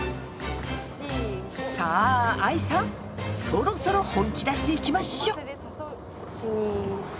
さあ愛さんそろそろ本気出していきましょう！